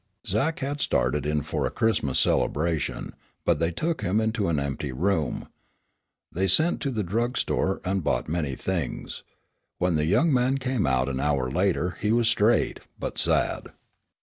Zach had started in for a Christmas celebration, but they took him into an empty room. They sent to the drug store and bought many things. When the young man came out an hour later he was straight, but sad.